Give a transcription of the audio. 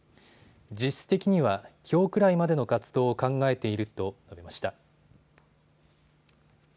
実質的には、きょうくらいまでの活動を考えていると述べました。